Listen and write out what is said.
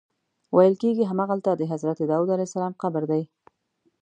ویل کېږي همغلته د حضرت داود علیه السلام قبر دی.